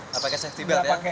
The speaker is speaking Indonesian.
tidak pakai safety belt ya